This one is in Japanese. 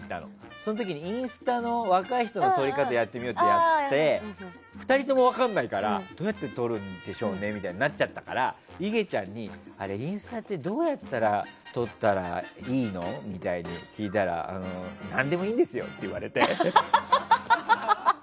その時にインスタの若い人の撮り方をやってみようっていうことででも、２人とも分からないからどうやって撮るんでしょうねとなったから、いげちゃんにあれ、インスタってどうやったら撮ったらいいのって聞いたら何でもいいんですよって言われて。